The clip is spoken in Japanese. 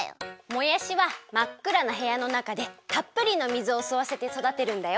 もやしはまっくらなへやのなかでたっぷりの水をすわせて育てるんだよ！